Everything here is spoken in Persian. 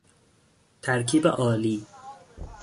ترکیب آلی